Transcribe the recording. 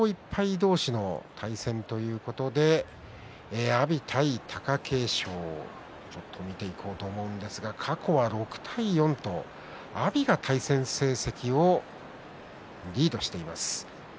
同士の対戦ということで阿炎対貴景勝、ちょっと見ていこうと思うんですが過去は６対４と阿炎が対戦成績をリードしています。